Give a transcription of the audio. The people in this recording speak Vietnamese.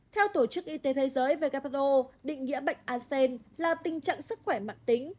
theo tổ chức y tế thế giới vgpro định nghĩa bệnh a sen là tình trạng sức khỏe mạng tính